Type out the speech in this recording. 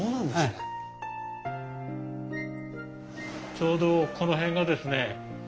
ちょうどこの辺がですね